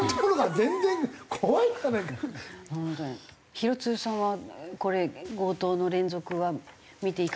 廣津留さんはこれ強盗の連続は見ていかがですか？